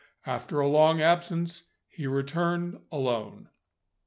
After a long absence, he returned alone.